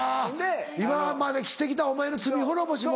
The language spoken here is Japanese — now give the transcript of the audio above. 今までして来たお前の罪滅ぼしも。